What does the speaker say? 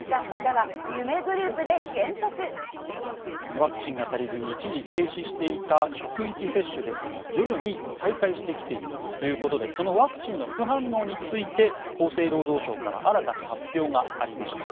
ワクチンが足りずに一時停止していた職域接種ですが、徐々に再開してきているということでそのワクチンの副反応について厚生労働省から新たな発表がありました。